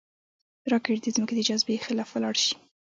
راکټ د ځمکې د جاذبې خلاف ولاړ شي